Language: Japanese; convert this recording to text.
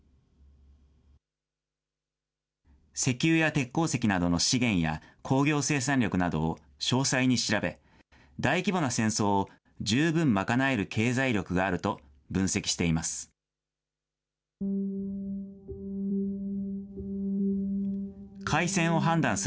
石油や鉄鉱石などの資源や工業生産力などを詳細に調べ、大規模な戦争を十分賄える経済力があると分析しています。